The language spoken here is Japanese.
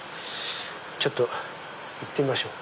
ちょっと行ってみましょう。